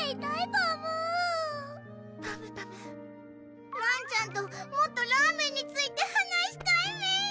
パムパムらんちゃんともっとラーメンについて話したいメン！